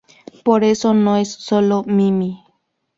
Por eso no es sólo Mimi.